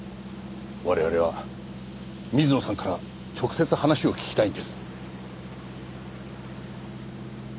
我々は水野さんから直接話を聞きたいんです。